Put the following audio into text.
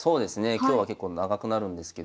今日は結構長くなるんですけど。